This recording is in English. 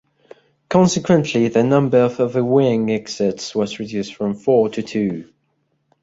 Consequently, the number of overwing exits was reduced from four to two.